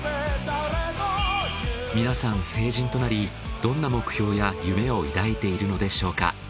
皆さん成人となりどんな目標や夢を抱いているのでしょうか？